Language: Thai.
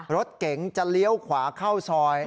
รถเก๋งจะเลี้ยวขวาเข้าซอย